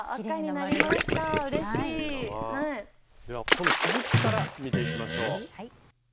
その続きから見ていきましょう。